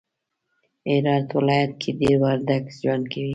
هرات ولایت کی دیر وردگ ژوند کوی